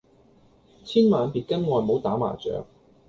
千萬別跟外母打麻將